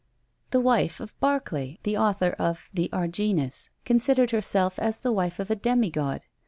The wife of Barclay, author of "The Argenis," considered herself as the wife of a demigod.